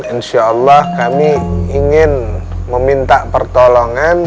insyaallah kami ingin meminta pertolongan